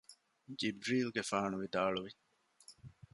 ޖިބްރީލުގެފާނު ވިދާޅުވި